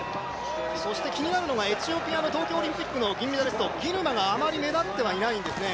そして気になるのがエチオピアの東京オリンピックの銀メダリストギルマがあまり目立ってはいないんですね。